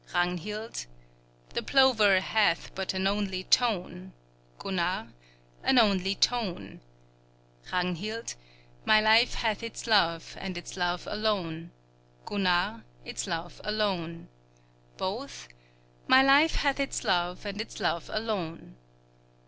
Ragnhild The plover hath but an only tone, Gunnar An only tone; Ragnhild My life hath its love, and its love alone, Gunnar Its love alone; Both My life hath its love, and its love alone.